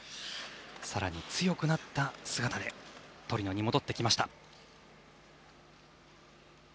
更に強くなった姿でトリノに戻ってきました。